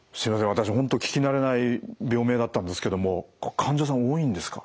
私本当聞き慣れない病名だったんですけども患者さん多いんですか？